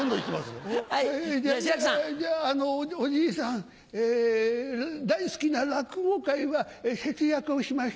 あのおじいさん大好きな落語会は節約をしましょう。